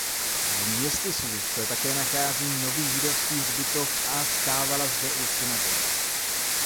V městysu se nachází také Nový židovský hřbitov a stávala zde i synagoga.